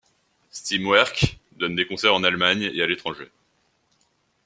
Stimmwerck donne des concerts en Allemagne et à l'étranger.